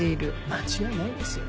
間違いないですよ